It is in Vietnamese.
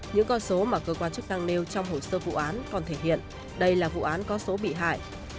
những con số mà cơ quan chức năng nêu trong hồ sơ vụ án còn thể hiện đây là vụ án có số bị hại